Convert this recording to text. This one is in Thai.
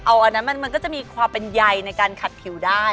เอาอันนั้นมันก็จะมีความเป็นใยในการขัดผิวได้